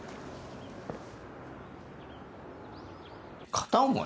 片思い？